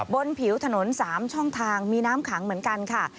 บนผิวถนน๓ช่องทางมีน้ำขังเหมือนกันค่ะ